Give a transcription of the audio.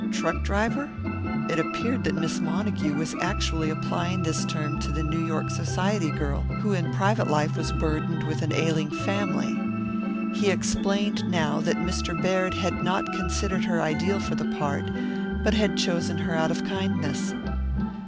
Truck driver? It appeared that Miss Montague was actually applying this term to the New York society girl who in private life was burdened with an ailing family. He explained now that Mr. Baird had not considered her ideal for the part, but had chosen her out of kindness.